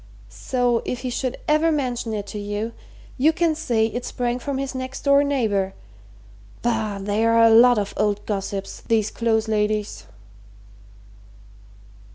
So, if he should ever mention it to you, you can say it sprang from his next door neighbour. Bah! they're a lot of old gossips, these Close ladies!"